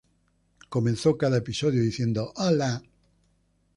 Comenzó cada episodio diciendo, "¡Hola!